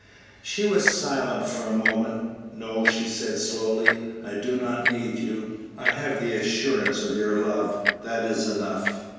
She was silent for a moment. "No," she said, slowly, "I do not need you; I have the assurance of your love; that is enough.